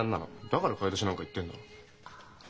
だから買い出しなんか行ってんだろ。